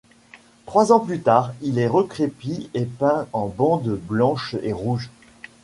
Trois ans plus tard il est recrépi et peint en bandes blanches et rouges.